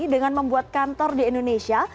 dengan membuat kantor di indonesia